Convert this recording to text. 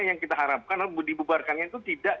yang kita harapkan dibubarkannya itu tidak